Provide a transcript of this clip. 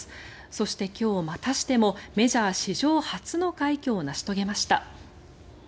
そして今日、またしてもメジャー史上初の快挙を成し遂げました。